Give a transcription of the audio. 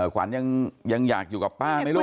ขวัญยังอยากอยู่กับป้าไหมลูก